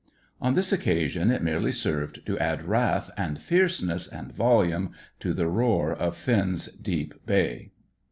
On this occasion, it merely served to add wrath, and fierceness, and volume to the roar of Finn's deep bay.